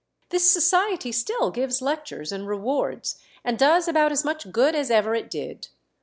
This society still give lectures and rewards, and does about as much good as ever it did.